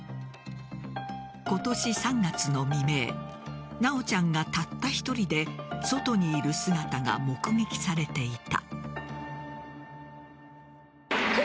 今年３月の未明修ちゃんがたった１人で外にいる姿が目撃されていた。